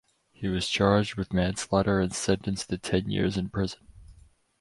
He was charged with manslaughter and sentenced to ten years in prison.